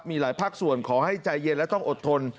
มีหลายภาคส่วนขอให้ใจเย็นและต้องอดทน